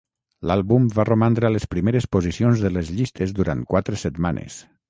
L"àlbum va romandre a les primeres posicions de les llistes durant quatre setmanes.